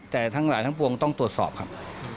แต่ทั้งหลายทั้งปวงต้องตรวจสอบครับ